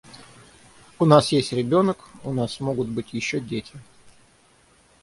У нас есть ребенок, у нас могут быть еще дети.